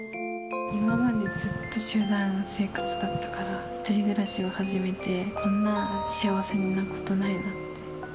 今までずっと集団生活だったから、１人暮らしを始めて、こんな幸せなことないなって。